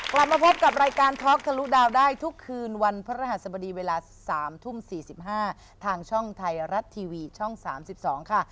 กลับมาพบกับรายการท็อกทะลุดาวได้ทุกคืนวันพระรหัสบดีเวลา๓ทุ่ม๔๕ทางช่องไทยรัฐทีวีช่อง๓๒ค่ะ